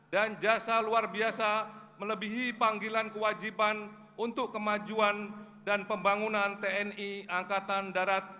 dan jasa luar biasa melebihi panggilan kewajiban untuk kemajuan dan pembangunan tni angkatan darat